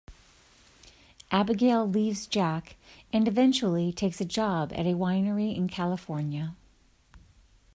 Abigail leaves Jack and eventually takes a job at a winery in California.